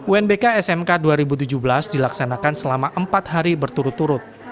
unbk smk dua ribu tujuh belas dilaksanakan selama empat hari berturut turut